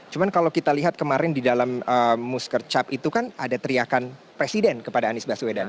cuma kalau kita lihat kemarin di dalam muskercap itu kan ada teriakan presiden kepada anies baswedan